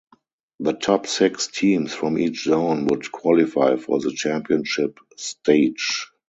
The top six teams from each zone would qualify for the championship stage.